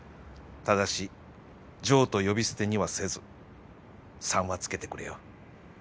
ただし「ジョー」と呼び捨てにはせず「さん」は付けてくれよ。